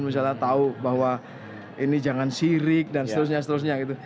misalnya tahu bahwa ini jangan sirik dan seterusnya seterusnya gitu